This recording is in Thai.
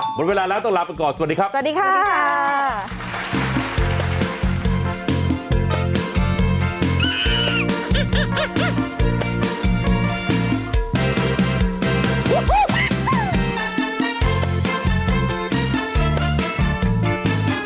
หมดเวลาแล้วต้องลาไปก่อนสวัสดีครับ